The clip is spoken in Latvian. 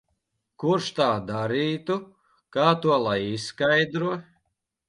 Kurš tā darītu? Kā to lai izskaidro?